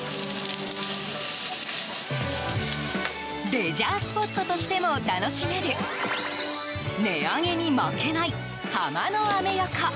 レジャースポットとしても楽しめる値上げに負けないハマのアメ横。